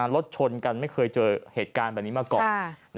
รถชนกันไม่เคยเจอเหตุการณ์แบบนี้มาก่อน